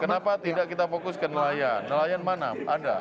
kenapa tidak kita fokus ke nelayan nelayan mana ada